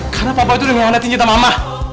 karena papa itu yang mengandati cinta mama